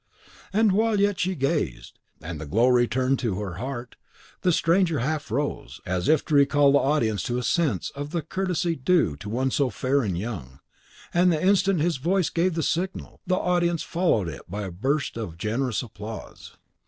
And while yet she gazed, and the glow returned to her heart, the stranger half rose, as if to recall the audience to a sense of the courtesy due to one so fair and young; and the instant his voice gave the signal, the audience followed it by a burst of generous applause.